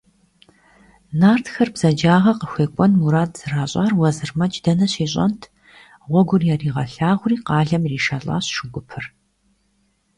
Нартхэр бзаджагъэ къыхуекӏуэн мурад зэращӏар Уэзырмэдж дэнэ щищӏэнт – гъуэгур яригъэлъагъури, къалэм иришэлӏащ шу гупыр.